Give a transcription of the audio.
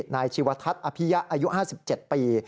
นายชีวทัศน์อภิยะอายุ๕๗ปี